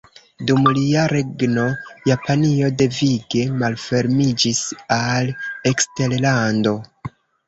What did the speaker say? Dum lia regno Japanio devige malfermiĝis al eksterlando.